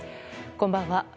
こんばんは。